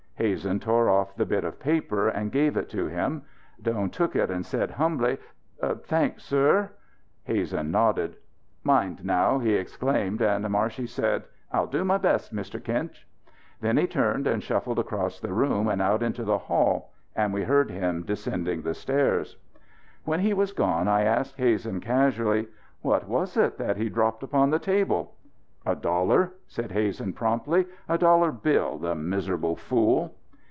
Hazen tore off the bit of paper and gave it to him. Doan took it and he said humbly: "Thank'e, sir." Hazen nodded. "Mind now," he exclaimed, and Marshey said: "I'll do my best, Mr. Kinch." Then he turned and shuffled across the room and out into the hall and we heard him descending the stairs. When he was gone I asked Hazen casually: "What was it that he dropped upon the table?" "A dollar," said Hazen promptly. "A dollar bill. The miserable fool!"